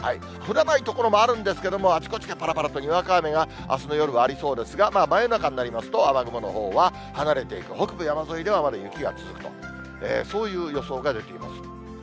降らない所もあるんですけれども、あちこちでぱらぱらとにわか雨が、あすの夜はありそうですが、真夜中になりますと、雨雲のほうは離れていく、北部山沿いでは、まだ雪が続くと、そういう予想が出ています。